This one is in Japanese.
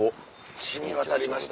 染み渡りました。